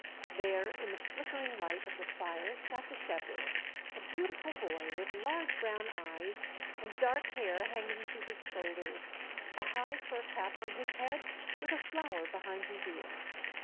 There in the flickering light of the fire sat the shepherd, a beautiful boy with large brown eyes and dark hair hanging to his shoulders, a high fur cap on his head with a flower behind his ear.